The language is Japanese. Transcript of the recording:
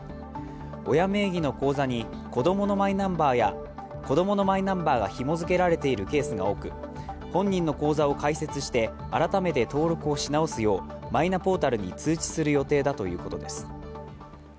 親名義の口座に子供のマイナンバーがひも付けられているケースが多く本人の口座を開設して改めて登録をし直すようマイナポータルに通知する予定だということです。